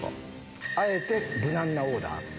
あえて無難なオーダー。